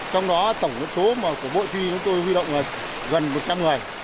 trong đó tổng số của bộ thi chúng tôi huy động là gần một trăm linh người